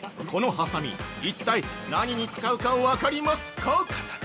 このはさみ、一体何に使うか分かりますか？